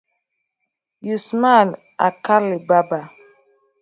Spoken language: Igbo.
Usman Alkali Baba